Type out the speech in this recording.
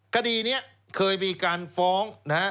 คดีนี้เคยมีการฟ้องนะฮะ